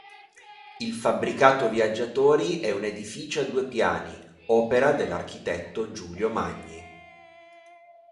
Il fabbricato viaggiatori è un edificio a due piani, opera dell'architetto Giulio Magni.